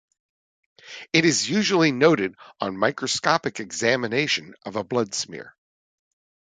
It is usually noted on microscopic examination of a blood smear.